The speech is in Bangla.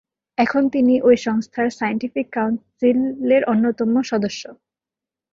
এখন তিনি ওই সংস্থার ‘সায়েন্টিফিক কাউন্সিল’-এর অন্যতম সদস্য।